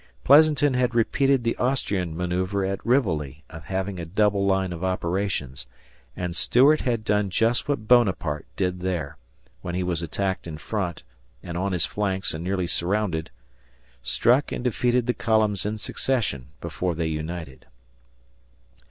Pleasanton had repeated the Austrian manoeuvre at Rivoli of having a double line of operations, and Stuart had done just what Bonaparte did there, when he was attacked in front and on his flanks and nearly surrounded struck and defeated the columns in succession before they united.